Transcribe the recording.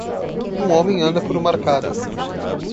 um homem anda por uma arcada.